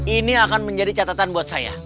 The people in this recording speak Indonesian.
ini akan menjadi catatan buat saya